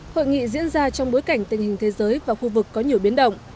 hội nghị diễn ra trong bối cảnh tình hình thế giới và khu vực có nhiều biến động